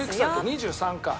２３か。